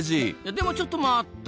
でもちょっと待った！